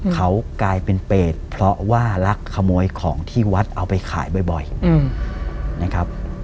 เขากลายเป็นเปรตเพราะว่าลักขโมยของที่วัดเอาไปขายบ่อยนะครับ